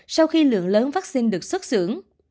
sau khi lượng lớn vaccine được xuất xưởng